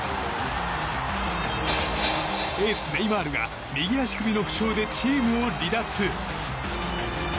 エース、ネイマールが右足首の負傷でチームを離脱。